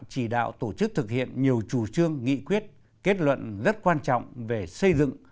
chỉ đạo tổ chức thực hiện nhiều chủ trương nghị quyết kết luận rất quan trọng về xây dựng